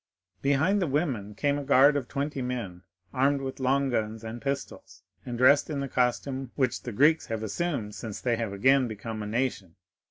"Behind the women came a guard of twenty men armed with long guns and pistols, and dressed in the costume which the Greeks have assumed since they have again become a nation.